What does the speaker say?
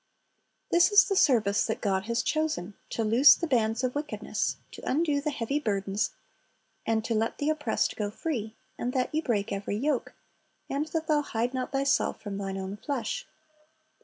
"^ This is the service that God has chosen, — "to loose the bands of wickedness, to undo the heavy burdens, and to let the oppressed go free, and that ye break every yoke, and that thou hide not thyself from thine own flesh."